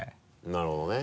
なるほどね。